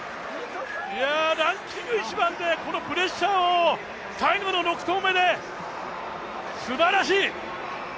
ランキング１番でこのプレッシャーを最後の６投目で、すばらしい！